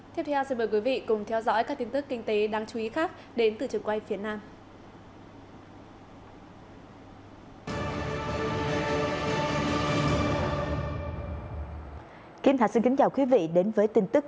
tiếp theo xin mời quý vị cùng theo dõi các tin tức kinh tế đáng chú ý khác đến từ trường quay phía nam